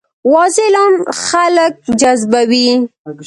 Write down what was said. واضح اعلان خلک جذبوي.